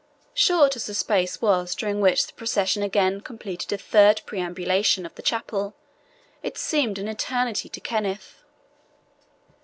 Short as the space was during which the procession again completed a third perambulation of the chapel, it seemed an eternity to Kenneth.